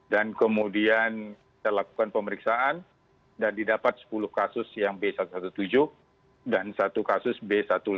dan kemudian kita lakukan pemeriksaan dan didapat sepuluh kasus yang b satu satu tujuh dan satu kasus b satu lima dua puluh lima